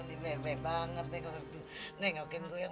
nih bebek banget deh ngoblin gue yang lagi kurang sehat